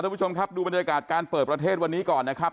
คุณผู้ชมครับดูบรรยากาศการเปิดประเทศวันนี้ก่อนนะครับ